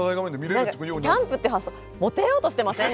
何かキャンプって発想モテようとしてません？